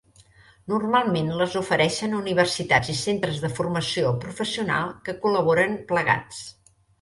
Normalment les ofereixen universitats i centres de formació professional que col·laboren plegats.